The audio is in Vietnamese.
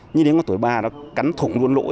như đến con tuổi ba nó cắn thủng luôn lỗ